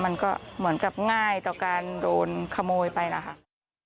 มันก็เหมือนกับง่ายต่อการโดนขโมยไปนะคะ